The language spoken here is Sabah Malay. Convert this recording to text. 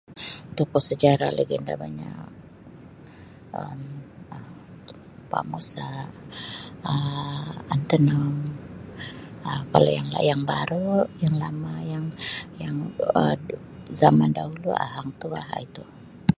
Tempat sejarah legenda banyak Um Pa' Musa, Um [unintelligible] Um kalau yang-yang baru, yang lama yang-yang Um zaman dahulu Um Hang Tuah, Um itu